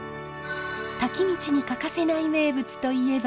滝道に欠かせない名物といえば。